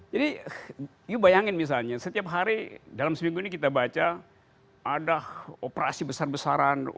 jadi bayangin misalnya setiap hari dalam seminggu ini kita baca ada operasi besar besaran untuk menangkap orang